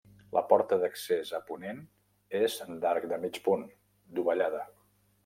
La porta d'accés, a ponent, és d'arc de mig punt, dovellada.